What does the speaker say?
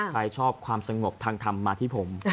ใครชอบความสงบทางธรรมมาที่ผม